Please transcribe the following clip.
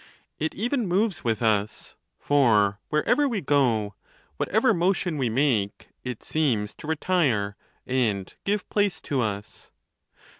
It even moves with us; for wherever we go, whatever motion we make, it seems to retire and give place to us.